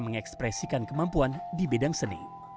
mengekspresikan kemampuan di bidang seni